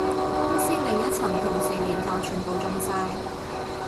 公司另一層同事年頭全部中晒